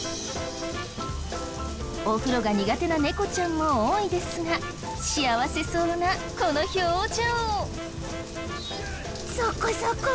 お風呂が苦手な猫ちゃんも多いですが幸せそうなこの表情。